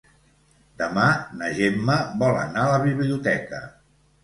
Demà na Gemma vol anar a la biblioteca.